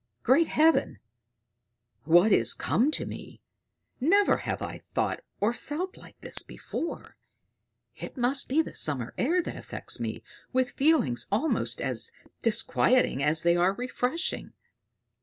"Great Heaven! What is come to me! Never have I thought or felt like this before! It must be the summer air that affects me with feelings almost as disquieting as they are refreshing."